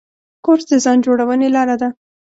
کورس د ځان جوړونې لاره ده.